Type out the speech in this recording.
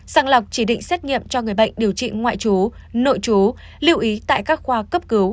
sàng lọc chỉ định xét nghiệm cho người bệnh điều trị ngoại trú nội chú lưu ý tại các khoa cấp cứu